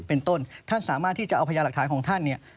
เป็นต้นท่านสามารถที่จะเอาพญาหลักฐานของท่านเนี่ย